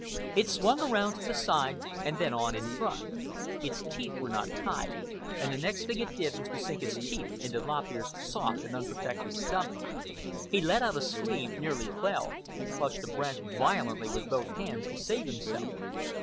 It swung around to the side and then on in front. Its teeth were not tied, and the next thing it did was to sink its teeth into Lop Ear's soft and unprotected stomach. He let out a scream, nearly fell, and clutched a branch violently with both hands to save himself.